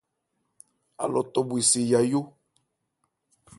Alɔ tɔ bhwe se yayó.